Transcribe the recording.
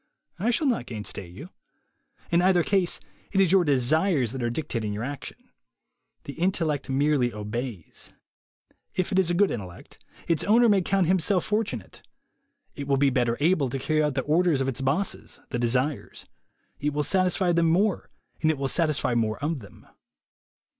I shall not gainsay you. In either case, it is your desires that are dictating your action. The intellect merely obeys. If it is a good intellect, its owner may count himself for tunate. It will better able to carry out the orders of its bo the desires; it will satisfy them more, and > will satisfy more of them.